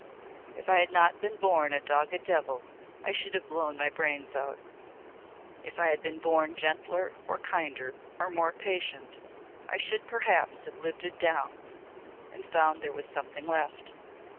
If I had not been born a dogged devil I should have blown my brains out. If I had been born gentler or kinder or more patient I should perhaps have lived it down and found there was something left.